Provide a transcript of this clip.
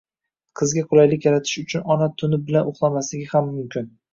Qiziga qulaylik yaratish uchun ona tuni bilan uxlamasligi ham mumkin.